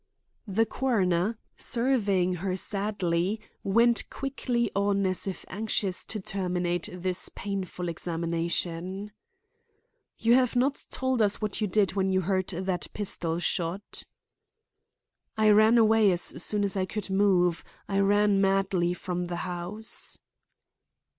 The coroner, surveying her sadly, went quickly on as if anxious to terminate this painful examination. "You have not told us what you did when you heard that pistol shot." "I ran away as soon as I could move; I ran madly from the house."